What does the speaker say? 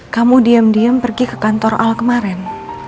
kamu diam diam pergi ke kantor al kemarin